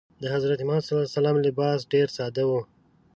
د حضرت محمد ﷺ لباس ډېر ساده و.